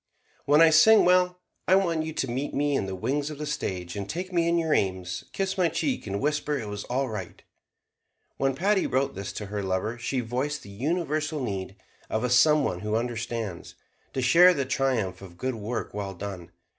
"When I sing well, I want you to meet me in the wings of the stage, and taking me in your aims, kiss my cheek, and whisper it was all right." When Patti wrote this to her lover she voiced the universal need of a some one who understands, to share the triumph of good work well done.